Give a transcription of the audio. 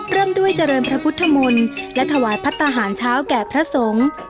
เริ่มด้วยเจริญพระพุทธมนตร์และถวายพัฒนาหารเช้าแก่พระสงฆ์